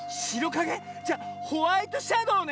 じゃホワイトシャドーね。